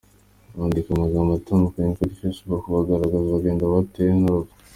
bandika amagambo atandukanye kuri facebook bagaragaza agahinda batewe nurupfu.